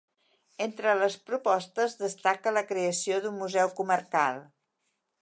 Entre les propostes destaca la creació d’un museu comarcal.